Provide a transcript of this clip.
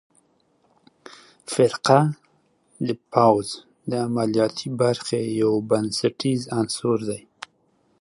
فرقه د پوځ د عملیاتي برخې یو بنسټیز عنصر دی.